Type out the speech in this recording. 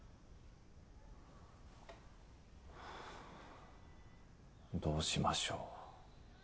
はぁどうしましょう。